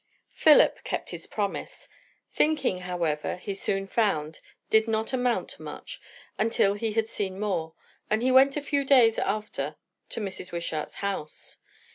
Philip kept his promise. Thinking, however, he soon found, did not amount to much till he had seen more; and he went a few days after to Mrs. Wishart's house.